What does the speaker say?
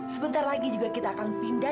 sebentar lagi juga kita akan pindah